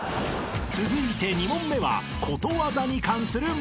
［続いて２問目は］